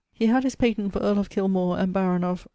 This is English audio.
He had his patent for earle of Kilmore and baron of